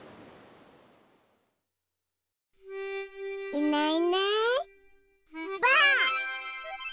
いないいないばあっ！